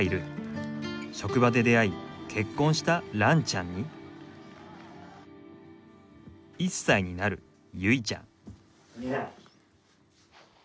職場で出会い結婚した蘭ちゃんに１歳になる結ちゃん。